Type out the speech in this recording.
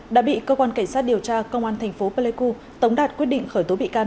đã bị cơ quan cảnh sát điều tra công an thành phố pleiku tống đạt quyết định khởi tố bị can